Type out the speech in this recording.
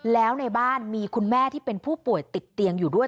แล้วในบ้านมีคุณแม่ที่เป็นผู้ป่วยติดเตียงอยู่ด้วย